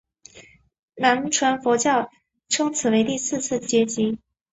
南传佛教称此为第四次结集。